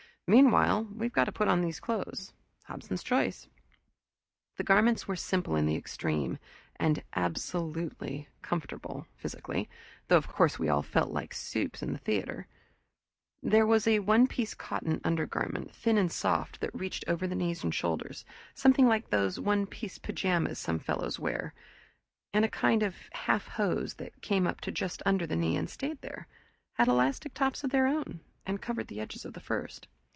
Meanwhile we've got to put on these clothes Hobson's choice." The garments were simple in the extreme, and absolutely comfortable, physically, though of course we all felt like supes in the theater. There was a one piece cotton undergarment, thin and soft, that reached over the knees and shoulders, something like the one piece pajamas some fellows wear, and a kind of half hose, that came up to just under the knee and stayed there had elastic tops of their own, and covered the edges of the first.